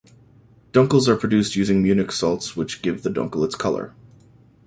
Dunkels are produced using Munich malts which give the Dunkel its colour.